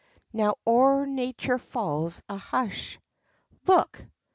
Now, o'er nature falls a hush, Look!